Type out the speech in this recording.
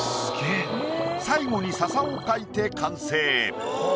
最後に笹を描いて完成。